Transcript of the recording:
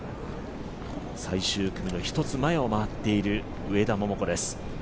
最終組の１つ前を回っている上田桃子です。